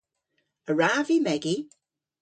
A wrav vy megi?